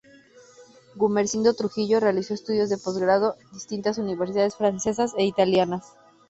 Gumersindo Trujillo realizó estudios de postgrado distintas universidades francesas e italianas.